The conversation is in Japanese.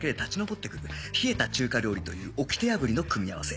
冷えた中華料理という掟破りの組み合わせ